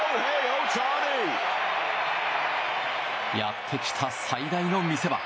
やってきた最大の見せ場。